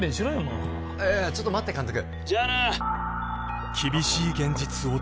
もうちょっと待って監督